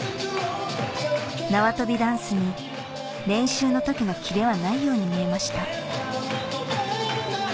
縄跳びダンスに練習の時のキレはないように見えました